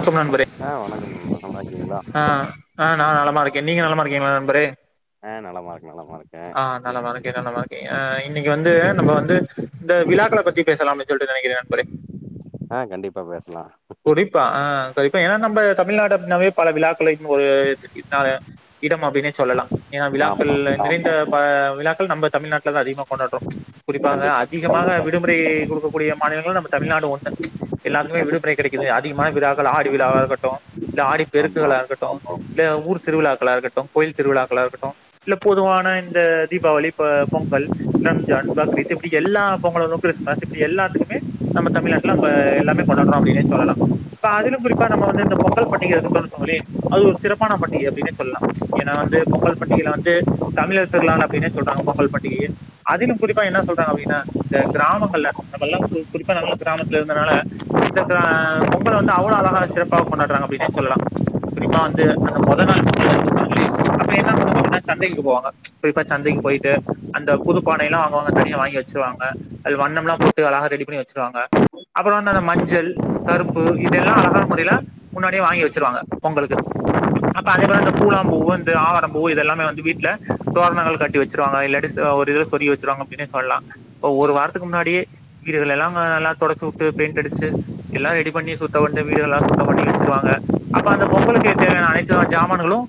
வணக்கம் நண்பரே ஆ வணக்கம் மேம் ஆ ஆ நான் நலமா இருக்கேன் நீங்க நலமா [unintelligible] நண்பரே ஆ நலமா இ ஆ நலமா இருக்கே நலமா இருக்கே ஆ இன்னிக்கு வந்து நம்ம வந்து இந்த விழாக்கள பத்தி பேசலாம்னு சொல்ட்டு நெனைக்கிறே நண்பரே ஆ கண்டிப்பா பேசலா குறிப்பா ஆ இப்ப ஏ நம்ப [inaudible] தமிழ்நாடு அப்டினாலே பல விழாக் [inaudible] ஒரு இடம் அப்டினே சொல்லலா ஏனா விழாக்கள் ஆமா நிறைந்த பா விழாக்கள் நம்ப தமிழ்நா ட்லதா அதிகமா கொண்டாட்றோ குறிப்பாக கண்டிப்பா அதிகமாக விடுமுறை குடுக்கக் கூடிய மாநிலங்கள் நம்ம தமிழ்நாடு ஒன்னு எல்லாருக்குமே கண் விடுமுறை கிடைக் கிது அதிகமான விழாக்கள் ஆடி விழாவா இருக்கட்டு இல்ல ஆடி ஆமா பெருக்குகளா இருக்கட்டு இல்ல ஊர் திருவிழாக்களா இருக்கட்டு கோயில் திருவிழாக்களா இருக்கட்டு இல்ல பொதுவான இந்த தீபாவளி இப்ப பொங்கல் ரம்ஜான் பக்ரீத் இப்டி எல்லா பொங்கலுரு கிறிஸ்மஸ் இப்டி எல்லாத்துக்குமே நம்ம தமிழ்நாட்டுல நம்ப எல்லாமே கொண்டாட்றோ அப்டினே சொல்லலா இப்ப அதுலை குறிப்பா நம்ம வந்து இந்த பொங்கல் பண்டிகை [unintelligible] அது ஒரு சிறப்பான பண்டிகை அப்டினே சொல்லா ஏனா வந்து கண்டிப்பா பொங்கல் பண்டிகைல வந்து தமிழர் திருநாள் அப்டினே சொல்றாங்க பொங்கல் பண்டிகைய அதிலு குறிப்பா என்னா சொல்றாங்கனா அப்டின்னா இந்த கிராமங்கள்ல நம்பல்லா கு குறிப்பா [inaudible] கிராமத்துல இருந்தனால த பொங்கல வந்து அவ்ளோ அழகா சிறப்பாக கொண்டாட்றாங்க அப்டினே சொல்லா குறிப்பா வந்து அந்த மொத நாள் பொங்கல் நெனச்சு பாருங்களே அப்ப என்ன பண்ணுவாங்க அப்டினா சந்தைக்கு போவாங்க குறிப்பா சந்தைக்கு போயிட்டு அந்த புதுப்பானையலா வாங்குவாங்க தனியா வாங்கி வச்சிருவாங்க அது வண்ணம்லா போட்டு அழகா ரெடி பண்ணி வச்சிருவாங்க அப்றோந்து அந்த மஞ்சள் கரும்பு இதெல்லா அழகான முறையில முன்னாடியே வாங்கி வச்சிருவாங்க பொங்கலுக்கு அப்ப அதே போல இந்த பூழாம்பூ இந்த ஆவாரம் பூ இதெல்லாமே வந்து வீட்ல தோரணங்கள் கட்டி வச்சுருவாங்க இல்லாட்டி ச ஒரு இதுல சொரிகி வச்சுருவாங்க அப்டினே சொல்லா ஒரு வாரத்துக்கு முன்னாடியே வீடுகளேல்லா ஆ நல்லா தொடச்சு உட்டு பெயிண்ட் அடிச்சு எல்லா ரெடி பண்ணி சுத்தோபண்டு வீடுகள் எல்லா சுத்தம் பண்ணி வச்சுருவாங்க அப்ப அந்த பொங்கலுக்கு தேவையான அனைத்து வக ஜாமான்களும்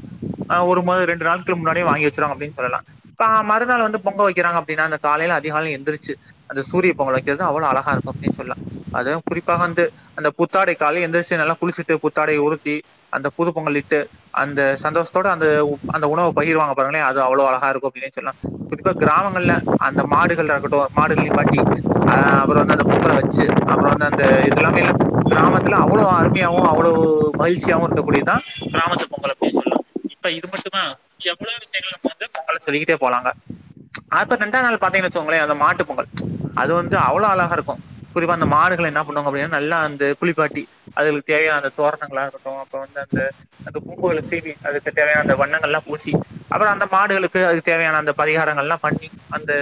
ஒரு மொதல் ரெண்டு நாளுக்களுக்கு முன்னாடியே வாங்கி வச்சிருவாங்க அப்டினு சொல்லலா ஆ மறுநாள் வந்து பொங்க வைக்கிறாங்க அப்டினா அந்த காலையில அதிகாலைல எந்திரிச்சு அந்த சூரிய பொங்கல் வைக்கிறது அவ்ளோ அழகா இருக்கு அப்டினு சொல்லலா அதுவு குறிப்பா வந்து அந்த புத்தாடை கால எந்திரிச்சு நல்லா குளிச்டு புத்தாடைய உடுத்தி அந்த புது பொங்கலிட்டு அந்த சந்தோஷத்தோட அந்த அந்த உணவு பகிருவாங்க பாருங்களே அது அவ்ளோ அழகா இருக்கு அப்டினே சொல்லலா குறிப்பா கிராமங்கள்ல அந்த மாடுகள் இருக்கட்டு மாடுகள் நிப்பாட்டி அஹ் அப்றோ வந்து அந்த பொங்கல வச்சு அப்றோ வந்து அந்த எல்லாமே இல்ல கிராமத்துல அவ்ளோ அருமையாவு அவ்ளோ மகிழ்ச்சியாவு இருக்கக்கூடியதா கிராமத்து பொங்கல் அப்டினு சொல்லலா இப்ப இது மட்டுமா எவ்ளோ விஷயங்கள் வந்து பொங்கல சொல்லிக்கிட்டே போலாங்க ஆப்ற ரெண்டாம் நாள் பாத்தீங்கன் வச்சுகோங்களே அந்த மாட்டு பொங்கல் அது வந்து அவ்ளோ அழகா இருக்கு குறிப்பா அந்த மாடுகள் என்ன பண்ணுவாங்க அப்டினா நல்லா அந்த குளிப்பாட்டி அதுளுக்கு தேவையான அந்த தோரணங்களா இருக்கட்டு அப்றோ வந்து அந்த அந்த கூம்புகளா சீவி அதுக்கு தேவையான அந்த வண்ணங்கள்லா பூசி அப்றோ அந்த மாடுகளுக்கு அதுக்கு தேவையான அந்த பரிகாரங்கள்லா பண்ணி அந்த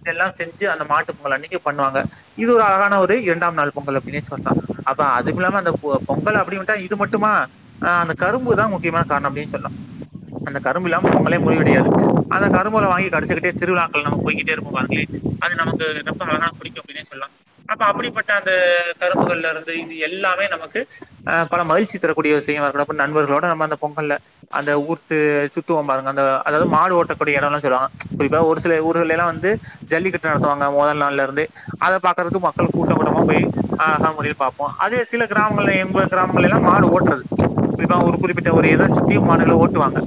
இதெல்லா செஞ்சு அந்த மாட்டு பொங்கல் அன்னைக்கு பண்ணுவாங்க இது ஒரு அழகான ஒரு இரண்டாம் நாள் பொங்கல் [unintelligible] அப்ப அதுவுல்லாம அந்த பொங்கல் அப்டின்னு வண்டா இது மட்டுமா அஹ் அந்த கரும்புதா முக்கியமான காரணம்னே அப்டினு சொல்லா அந்த கரும்பு இல்லாம பொங்கலே முழிவாடையாது அந்த கரும்புல வாங்கி கடிச்சிக்கிட்டே திருவிழாக்கள் நம்ம போய்க்கிட்டே இருப்போ அது நமக்கு ரொம்ப அழகான பிடிக்கு அப்டினே சொல்லா அப்ப அப்டிப்பட்ட அந்த கரும்புகள்ருந்து இது எல்லாமே நமக்கு அஹ் பல மகிழ்ச்சி தரக்கூடிய விஷயமா இருக்கு நண்பர்களோட நம்ம அந்த பொங்கல்ல அந்த ஊர்த்து சுத்துவோ பாருங்க அந்த அதாவது மாடு ஓட்டக்கூடிய இடலா சொல்லுவாங்க குறிப்பா ஒரு சில ஊர்லலா வந்து ஜல்லிக்கட்டு நடத்துவாங்க மோதல் நாள்லலருந்தே அத பாக்குறதுக்கு மக்கள் கூட்டம் கூட்டமா போய் ஹக [unintelligible] பாப்போ அதே சில கிராமங்கள்ல எங்க கிராமங்கள்லலா மாடு ஓட்றது குறிப்பா ஒரு குறிப்பிட்ட ஒரு எதை சுத்தி மாடுகள ஓட்டுவாங்க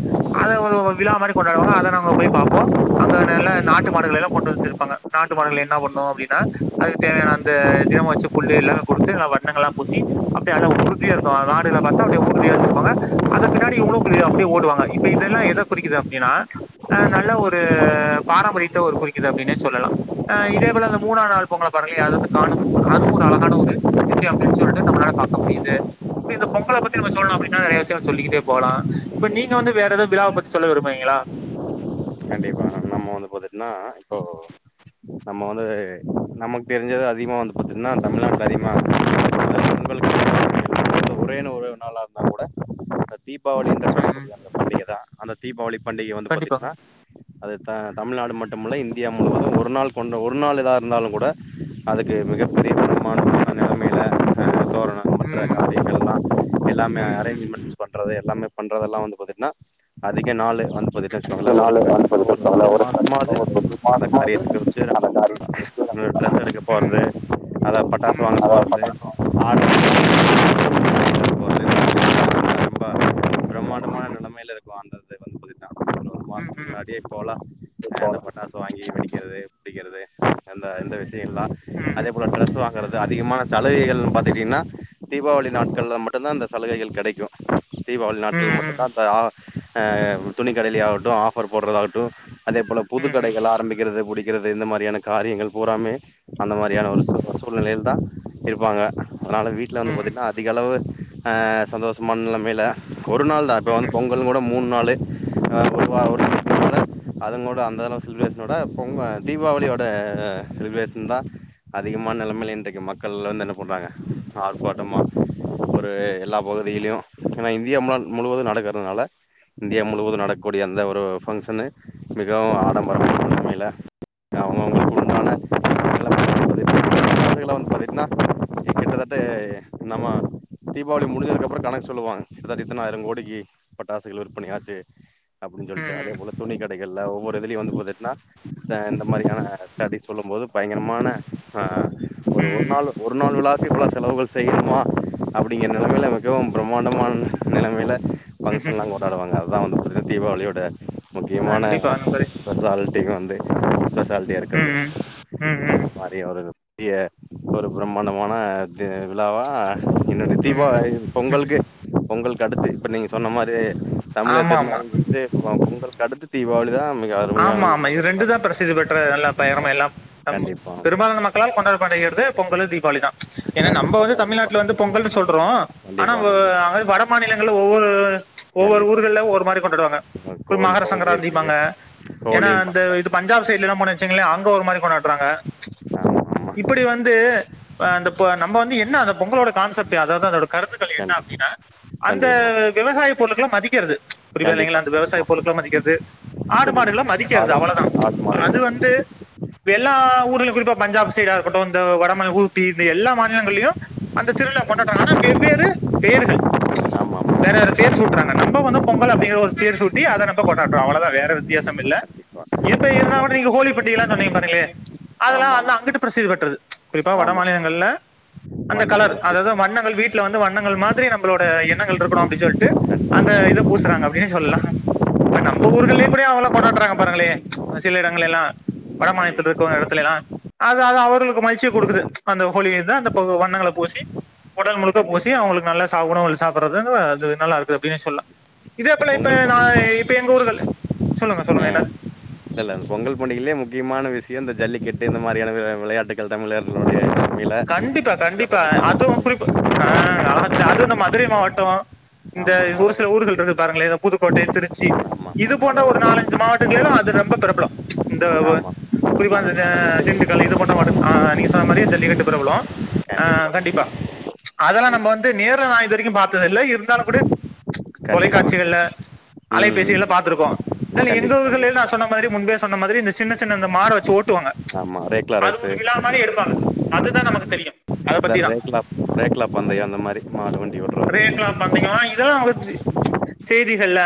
அத ஒரு விழா மாரி கொண்டாடுவாங்க அத நாங்க போய் பாப்போ அங்க நல்ல நாட்டு மாடுகளல்லா கொண்டு வச்சிருப்பாங்க நாட்டு மாடுகள்ளா என்ன பண்ணு அப்டினா அதுக்கு தேவையான அந்த தினமும் வச்சு புல்லேல்லாங் குடுத்து வண்ணங்கள்லா பூசி அப்டியல்லா உறுதியாப் இருக்கு மாடுகள பாத்தா அப்டியே உறுதியா வச்ருப்பாங்க அத பின்னாடி [unintelligible] அப்டியே ஓடுவாங்க இப்ப இதெல்லா எத குறிக்குது அப்டினா நல்ல ஒரு பாரம்பரியத்த ஒரு குறிக்குது அப்டினே சொல்லலா இதே போல மூணா நாள் பொங்கள் அது வந்து காணும் பொங்கல் ஒரு அழகான ஒரு விஷயோ அப்டினு சொல்ட்டு நம்ளால பாக்க முடியுது இப்டி இந்த பொங்கல பத்தி நம்ம சொல்னு அப்டின நெறைய விஷயோ சொல்லிக்கிட்டே போலா இப்ப நீங்க வந்து வேற ஏதாவது விழாவ பத்தி சொல்ல விரும்புவீங்ளா கண்டிப்பா நம்ம வந்து [unintelligible] நா இப்போ நம்ம வந்து நமக்கு தெரிஞ்சது அதிகமா வந்து பாத்தீங்னா தமிழ்நாட்ல அதிகமா [inaudible] தீபாவ ம் தா அந்த தீபாவளி பண்டிகை வந்து கண்டிப்பாங்க பாத்தீங்னா அது தமிழ்நாடு மட்டுமில்ல இந்தியா முழுவது ஒரு நாள் கொண்ட ஒரு நாள் எதருந்தாலு கூட அதுக்கு மிகப்பெரிய பெர்மாண்டமான நெலைமையில தோரோனோ மற்ற ம் காரியங்கள் எல்லா எல்லாமே ம் ம் ம் அரேஞ்மெண்ட்ஸ் [unintelligible] எல்லாமே பண்றதெல்லா வந்து பாத்தீங்கனா அதிக நாலு வந்து பாத்தீங்கனா வச்சுகோங்களே ஒரு நாலு கண்டிப்பா ஒரு ஒரு மாஸ்மாது அந்த காரியத்துக்கு ம் [unintelligible] டிரஸ் எடுக்க போறது அதை பட்டாசு ம் வாங்க போறது ம் [inaudible] [inaudible] பிரம்மாண்டமான நிலமையில இருக்கு அந்த [inaudible] ஆமா [unintelligible] ம் மாசத்துக்கு ம் முன்னாடியே போலா ஹ் அந்த பட்டாசு வாங்கி வெடிக்கிறது படிக்கிறது அந்த இந்த விஷ் யோ தா ம் அதே போல ட்ரெஸ் வாங்குறது அதிகமான சலுகைகள்னு பாத்துட்டீங்கன்னா தீபாவளி நாட்கள்ல மட்டு தா இந்த சலுகைகள் கெடைக்கு தீபாவளி ம் நாட்கள் மட்டு தா ம் இந்த ஆஹ் ஆஹ் துணி கடலயு ஆகட்டு ஆஃபர் போட்றது ஆகட்டு அதே போல ம் புது ம் கடைகள் ஆரம்பிக்கிறது எப்டி க்கிறது இந்த மாரியான காரியங்கள் பூறாமே அந்த மாரியான ஒரு சூ சூழ்நிலையில் தா இருப்பாங்க அதனால வீட்ல வந்து ம் ம் பாத்தீங்கன்னா அதிக அளவு ஆஹ் சந்தோஷமான்ல மேல் ல ஒரு நாள் தா ட்வல் பொங்கலோட மூணு நாள் [unintelligible] அதனோட அந்தெல்லா செலிப்ரேஷன்னோட பொங் தீபாவளியோட செலிப்ரேஷன் தா அதிகமான நெலமைல இன்றைக்கு மக்கள்லா என்ன பொண்றாங்க ஆர்ப்பாட்டமா ஒரு எல்லா பகுதிகளியு ஏனா இந்தியா முழ முழுவது நடக்குறதுனால இந்தியா முழுவது நடக்ககூடிய அந்த ஒரு ஃபங்ஷன்னு மிகவு ஆடம்பரமா [inaudible] பாத்தீங்கனா கிட்டத்தட்ட நம்ம தீபாவளி முடிஞ்சதுக்கப்பறோ கணக்கு சொல்லுவாங்க கிட்டத்தட்ட இத்தனாயிரோ கோடிக்கு பட்டாசுகள் விற்பனயாச்சு அப்டின்னு ம் சொல்ட்டு அதே ம் போல துணி கடைகள்ல ஒவ்வொரு இதுலயு வந்து பாத்துட்ன்னா ஸ்டாண்ட் மாரியான ஸ்டடிஸ் சொல்லும் போது பயங்கரமான ஆஹ் ஒரு ம் ஒரு நாள் ம் ஒரு நாள் விழாக்கு இப்டிலா செலவுகள் செய்யணுமா அப்டிங்கிற நெலமைல மிகவும் பிரமாண்டமான நிலமைல ம்ஹ்ம். ஃபங்ஷன்லா கொண்டாடுவாங்க அதா‌ வந்து ந்த தீவாளியோட முக்கியமான கண்டிப்பா நண்பரே. ஸ்பெஷாலிட்டி வந்து ஸ்பெஷாலிட்டியா ம், இருக்கது ம். ம், ம். இந்த மாரி ஒரு பெரிய ஒரு பிரம்மாண்டமான தி விழாவா இன்னு ம். தித்திப்பாய் பொங்கலுக்கு பொங்கல் கடுத்து இப்ப நீங்க சொன்ன மாரி தமிழர் ஆமாமா. திருநாள் வந்து பொ பொங்கல்க்கு அடுத்து தீவாளிதா ஆமா ஆமா இது ரெண்டுதா பிரசித்தி பெற்ற நல்ல பயனும் எல்லாம் அம் கண்டிப்பா பெரும்பாலான மக்களால் கொண்டாடப்படுகிறது பொங்கலு தீபாவளிதா ஏன்னா நம்ப கண்டிப்பா வந்து கண்டிப்பா தமிழ்நாட்ல வந்து பொங்கல்னு சொல்றோ ஆனா கண்டிப்பா வ கண்டிப் அங்க வட மாநிலங்கள்ல ஒவ்வொரு ச் ஒவ்வொரு கண்டிப்பா ஊர்கள்ல ஒவ்வொரு மாரி கொண்டாடுவாங்க அஹ் இப்ப கோலி மகர ஹோலி இருக்கு சங்கராந்திம்பாங்க ஏனா அந்த ஹோலிம்பாங்க இது பஞ்சாப் சைட்லலா போனோ வச்சுக்குங்களே அங்க ஒரு மாரி கொண்டாடுறாங்க ச் ஆமா ஆமா இப்டி வந்து ஆஹ் அந்த ப நம்ம வந்து என்ன அந்த பொங்கலோட கான்சப்ட் அததா அதோட கருத்துக்கள் என்ன கண்டி அப்டின்னா அந்த கண்டிப்பா விவசாய பொருள்கள மதிக் க்கிறது கண்டிப்பா [unintelligible] வெவசாய கண்டிப்பா பொருள்கள மதிக்கிறது ஆடு கண்டிப்பா. மாடுகளா மதிக்கறது ஆடும் அவ்ளதா ஆடு அது மாடுகள் எல்லாம் வந்து வெல்லா ஊருல குறிப்பா பஞ்சாப் சைடா இருக்கட்டு இந்த வடமாநில ஊப்பீ ந்த எல்லா மாநிலங்கள்ளியு அந்த திருவிழா கொண்டாடுவாங் கண்டிப்பா ஆனா வெவ்வேறு பேருகள் ஆமாமா வேற வேற பேர் சூட்றாங்க நம்ப வந்த பொங்கல் அப்டீங்குற ஒரு பேர் சூட்டி அத நம்ப கொண்டாட்ரோ அவளோதா‌ வேற வித்யாசம் கண்டிப்பா, இல்ல கண்டிப்பா. இப்ப இருந்தா பொங் கூட நீங்க ஹோலிப்பண்டிகலா சொன்னீங் பாருங்களே அதுலா ஆமாமா, அந்து அங்குட்டு ப்ரசிதி பெற்றது குறிப்பா வட ஆமாமா. மாநிலங்கள்ல அந்த கலர் வண்ணங்கள அதாது பூசி வண்ணங்கள் வீட்ல வந்து வண்ணங்கள் மாதிரி நம்மளோட எண்ணங்கள் ட்ருக்கணு அப்டி சொல்ட்டு கண்டிப்பா, அந்த இத கண்டிப்பா, பூசுறாங்க அப்படின் சொல்லா ப்ப நம்ப ஊருகள்ளே [unintelligible] கொண்டாட்றாங்க பாருங்களே சில இடங்களெல்லா வட மாநிலத்துல கண்டிப்பா, இருக்கவ் எடத்துலேலா அது அது அவர்ளுக்கு மகிழ்சிய குடுக்குது அந்த ஹோலிந்து அந்த பொ வண்ணங்கள பூசி ஒடல் முழுக்க பூசி கண்டிப்பா. அவங்களுக் நல்ல சா உணவுகள் சாப்புறது அதாங்கத அது நல்லா இருக்குது அப்டினே சொல்லா இது அப்பல இப்ப பொங்கல் நா பண்டிகை இப்ப எங்க ஊருகள ஆ இல்லல்ல பொங்கல் பண்டிகல்லே முக்கிமான விஸ் இந்த ஜல்லிக்கெட்டு இந்த மாரியான வி விளையாட்டுக்கள் தமிழர்கிளோடய கண்டிப்பா கண்டிப்பா அதுவு குறிப்பு ஆ அலகாச் சொன்னி அ து இந்த மதுரை மாவட்டோ ஆமா, இந்த ஆமா. அத ஒரு சில விட்டு ஊர்கள் இருக்கு பாருங்ளே புதுக்கோட்டை திருச்சி இது ஆமாமா. அத போன்ற ஒரு விட்டு நாலஞ்சு மாவ [unintelligible] அது ரொம்ப பெரபலோ இந்த ஆமா. குறிப்பா அத இந்தந்த அத விட்டு திண்டுக்கல் இது போன்ற மாவட்டோ ஆ ஆ நீங்க சொன மாரி ஜெல்லிகட் பெரப்லோ ஆ கண்டிப்பா அதெல்லா ம். நம்ப வந்து நேரோ நா இது வெரிக்கோ பாத்ததில்ல இருந்தாலு குட கண்டிப்பா. தொலைக்காட்சிகள்ல ம், ம். அலைபேசிகள்ல ம். பாத்துருக்கோ எங்க கண்டிப்பா, ஊருகள்லே கண்டிப்பா, நா கண்டிப்பா. சொன்னமாரி முன்பே சொ மாதிரி இந்த சின்ன சின்னந்த மாடு வெச்சு ஓட் ட்டுவாங்க ஆமா. ரேக்ளா அது ஒரு ரேஸு. விழா மாரி எடுப்பாங்க தா நமக்கு தெரியு அத பத்திதா ரேக்லா ரேக்லா பந்தயோ அந்த மாரி மா ரேக்லா பந்தயோ இதெல்லா [unintelligible] சேதிகள்ல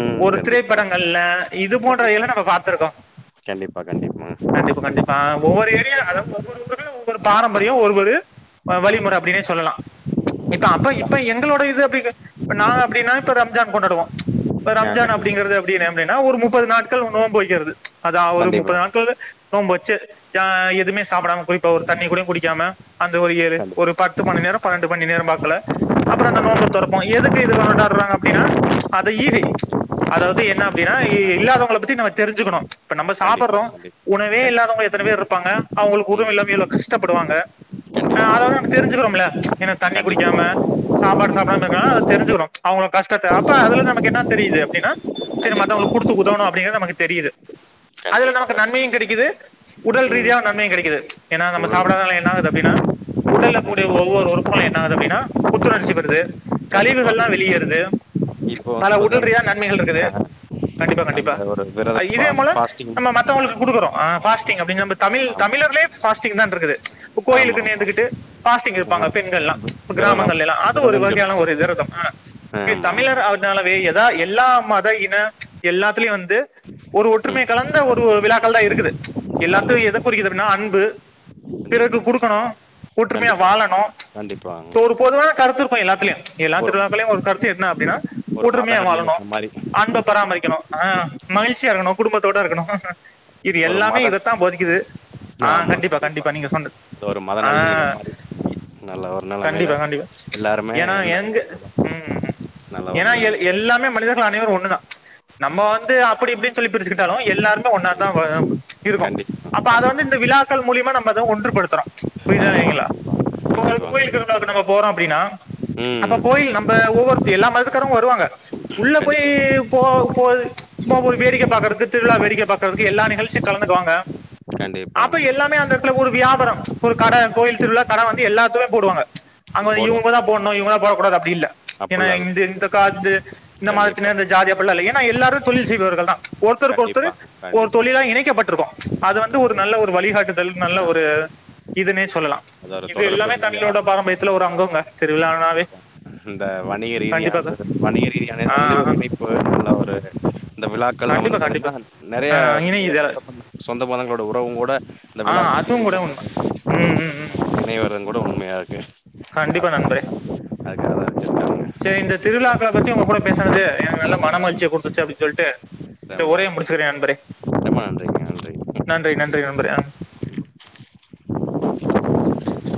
ம் ஒரு கண்டிப்பா திரைப்படங்கள்ல இது போன்றவைகல நம்ம பாத்துருக்கோம் கண்டிப்பா கண்டிப்பா கண்டிப்பா கண்டிப்பாங்க கண்டிப்பா ஒவ்வொரு ஏரியா அதாவது ஒவ்வொரு ஊரு ஒவ்வொரு பாரம்பரியம் ஒ ஒரு ஒரு ம், கண்டிப்பா. ஆமா வழிமுறை அப்படின்னே சொல்லலாம் இப்ப அப்ப அப்ப எங்களோட இது அப்படி நான் எப்படின்னா இப்ப ரம்ஜான் கொண்டாடுவோம் ஆ ரம்ஜான் கண்டிப்பா அப்படிங்கறது எப்படினா அப்பனா ஒரு முப்பது நாட்கள் நோன்பு போய்கிறது அதான் ஒரு முப்பது கண்டிப்பாங்க நாட்கள் நோன்பு சேர் எதுவுமே சாப்பிட டாம இப்பா ஒரு தண்ணி கூட குடிக்காம அந்த ஒரு ஏழு ஒரு கண்டிப்பா பத்து மணி நேரோ பன்னெண்டு மணி நேரோ பார்கல அப்புறம் அந்த நோன்பு துறப்போம் எதுக்கு இது கொண்டாடுறாங்க அப்படின்னா அதை ஈகை அதாவது என்ன அப்படின்னா ஆ இல்லாதவங்கள பத்தி நம்ம தெரிஞ்சுக்கணும் இப்ப நம்ம கண்டிப்பா சாப்பிடுறோம் கண்டிப்பா கண்டி ம் உணவே கண்டிப்பாங்க கண்டிப்பா இல்லாதவங்க எத்தனை பேர் இருப்பாங்க அவுங்குளுக்கு உணவு இல்லாமே எவ்வளவு கஷ்டப்படுறாங்க ஆ அத விட நாம தெரிஞ்சுக்கிறோம்ல கண்டிப்பா டகா தெரிஞ்சுக்குறோம் அவங்க கஷ்டத்தை அப்ப அதுல நமக்கு என்ன தெரியுது அப்படின்னா சரி கண்டிப்பா மத்தவங்களுக்கு குடுத்து உதவணும் அப்படிங்கறது நமக்கு தெரியுது அதுல கண்டிப்பா நமக்கு கண்டிப்பா நன்மையும் கிடைக்குது உடல் ம் ரீதியா நன்மையு கிடைக்குது ஏன்னா நம்ம ஊழல் சாப்பிடறதுனால என்ன ஆகுது அப்படின்னா உடல்ல கூடிய ம் ஒவ்வொரு உறுப்புகளும் என்ன ஆகுது அப்படின்னா புத்துணர்ச்சி பெறுது கண்டிப்பா கழிவுகல்லாம் வெளியேறுது இப்போ பல வந்து உடல் பாத்தீங்கன்னா ரீதியான நன்மைகள் இருக்குது ஆ கண்டிப்பா கண்டிப்பா அந்த ஒரு விரத பா இதே மூலம் ஃபாஸ்டிங் நம்ம மத்தவங்களுக்கு குடுக்கறோம் பாஸ் அப்படிங்க தமிழ் ஆமா தமிழர்லே பாஸ்டிங் தான் இருக்கு ஆமா கோயிலுக்கு ஆமா நேர்ந்துகிட்டு பாஸ்டிங் இருப்பாங்க ஆ பெண்கள்லாம் விரதம் கிராமத்து அது ஒரு விரதம் வகையான சொல்லுவாங்க ஒரு விரதம் ஆஹ் இப்ப ஆமாமா தமிழர்னாலவே ஏதாவ எல்லா மா மத இன எல்லாத்துலையு வந்து ஒரு ம் ஒற்றுமை கலந்த ஒரு விழாக்கள் தான் இருக்குது எல்லாத்து கண்டிப் எதை குறிக்குதுனா அன்பு பிறருக்கு கண்டிப்பா, குடுக்கணு ஒற்றுமையா கண்டிப்பா, வாழணு கண்டிப்பாங்க. தோடு பொதுவான கருத்து இருப்போம் எல்லாத்துலயு எல்லா ஒரு திருவிழாக்களையு ஒரு கருத்து என்ன அப்படின்னா ஒரு மத ஒற்றுமையா வாழணு நல்லிணக்கம் மாரி. அன்ப பராமரிக்கணு ஆஹ் மகிழ்ச்சியா இருக்கணு குடும்பத்தோட இருக்கணு இது ஒரு எல்லாமே மத இதத்தான் போதிக்குது ஆஹ் கண்டிப்பா கண்டிப்பா நீங்க சொன்ன அது ஒரு மத ஆஹ் நல்லிணக்கம் மாரி. நல்ல ஒரு நெலமையில கண்டிப்பா கண் எல்லாருமே ஏன்னா எந்த எங்க இதா இருந்தாலும் உம் நல்ல ஒரு ஏன்னா நெலமையில. எல்லாமே மனிதர்கள் அனைவரும் ஒன்று தான் நம்ம வந்து அப்படி இப்படின்னு சொல்லி பிரிச்சுக்கிட்டாலும் எல்லாருமே ஒன்னா தான் கண்டிப்பா, இருக்கும் கண்டிப்பா, அது கண்டிப்பா. வந்து இந்த விழாக்கள் மூலியமா நம்ப அந்த ஒன்று படுத்துறோம் புரிதா ஆமா, இல்லங்களா கண்டிப்பா, இப்ப கண்டிப்பாங்க. கோவில் திருவிழாக்கு போறோம் அப்படின்னா அப்ப ம். கோயில் நம்ம ஒவ்வொரு எல்லா மதத்துக்காரங்களும் வருவாங்க உள்ள போய் கண்டிப்பா வரும். போ போ சும்மா போய் வேடிக்கை பாக்குறதுக்கு திருவிழா வேடிக்கை பாக்குறதுக்கு எல்லா நிகழ்ச்சிலையும் கலந்துக்குவாங்க அப்ப கண்டிப்பாங்க. எல்லாமே அந்த இடத்துல ஒரு வியாபாரம் ஒரு கட கோயில் திருவிழா கட வந்து எல்லாத்துமே போடுவாங்க அங்க வந்து போடுவாங்க, இவங்க தா போடுவாங்க. போடணு இவங்க தா போடக்கூடாது அப்டி இல்ல ஏனா அப்புட்லாம் இல்ல இல்ல. இந்த கா இந்த கண்டிப்பா, மாதத்து இந்த ஜாதிய அப்பல்லா இல்லங்க எல்லாரும் தொழில் செய்பவர்கள் தா ஒருத்தருக்கு ஒருத்தர் கண்டிப்பா, ஒரு கண்டிப்பா, தொழிலாக இணைக்கப்பட்டிருக்கோ அது வந்து ஒரு நல்ல கண்டிப்பா. ஒரு வழிகாட்டுதல் நல்ல ஒரு ஆமா. இது சொல்லலா இது எல்லாமே தமிழோட பாரம்பரியத்த ண்ட இந்த வணிக கண்டிப்பாக ரீதியான வணிக ரீதியான நல்ல ஒரு ஆஹ் இணைப்புல்ல ஒரு இந்த விழாக்க மக்கள் நா கண்டிப்பா வந்து கண்டிப்பா பாத்தீங்கன்னா நறைய ஆஹ் நறைய இணையுது சொ ப சொந்த பதங்களோட உறவு கூட ஆஹ் அதுவு கூட உண்ம உஹம் இணையவர் யன் கூட வந்து உன்மையாக கண்டிப்பா நண்பறே வச்சிருக்காங்க. செரி இந்த திருவிழாக்கள பத்தி உங்க கூட பேசனது நல்ல மனமகிழ்ச்சிய குடுத்துச்சி அப்டின் சொல்ட்டு இந்த ரொம்ப ஒரைய முடிச்சிக்கிற நண்பரே ரொம்ப நன்றிங்க. நன்றி. நன்றி நன்றி நண்பரே அ